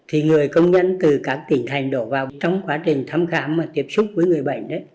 thì người công nhân từ các tỉnh thành đổ vào trong quá trình thăm khám và tiếp xúc với người bệnh